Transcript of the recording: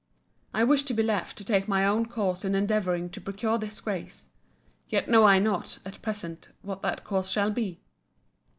I wish to be left to take my own course in endeavouring to procure this grace. Yet know I not, at present, what that course shall be.